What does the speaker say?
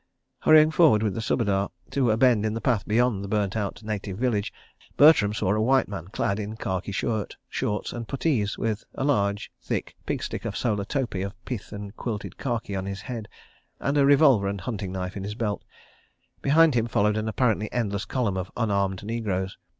Hurrying forward with the Subedar to a bend in the path beyond the burnt out native village, Bertram saw a white man clad in khaki shirt, shorts and puttees, with a large, thick "pig sticker" solar topi of pith and quilted khaki on his head, and a revolver and hunting knife in his belt. Behind him followed an apparently endless column of unarmed negroes.